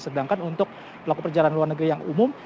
sedangkan untuk pelaku perjalanan luar negeri yang umum